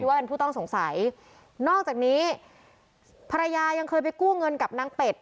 ว่าเป็นผู้ต้องสงสัยนอกจากนี้ภรรยายังเคยไปกู้เงินกับนางเป็ด